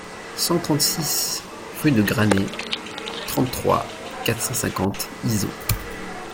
cent trente-six rue de Graney, trente-trois, quatre cent cinquante, Izon